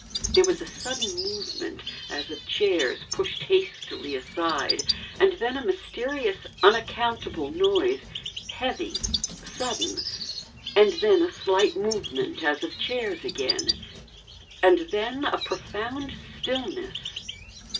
There was a sudden movement, as of chairs pushed hastily aside, and then a mysterious unaccountable noise heavy, sudden; and then a slight movement as of chairs again; and then a profound stillness.